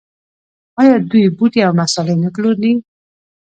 آیا دوی بوټي او مسالې نه پلوري؟